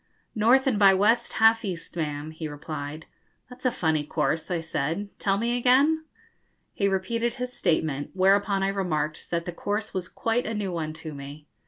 'North and by west, half east, ma'am,' he replied. 'That's a funny course,' I said; 'tell me again.' He repeated his statement; whereupon I remarked that the course was quite a new one to me.